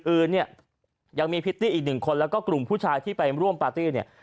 อื่นเนี่ยยังมีพริตย์อีก๑คนแล้วก็กลุ่มผู้ชายที่ไปร่วมพิธีเนี่ย